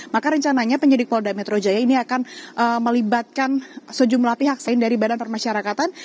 maka rencananya penyidik polda metro jaya ini akan melibatkan sejumlah pihak selain dari badan permasyarakatan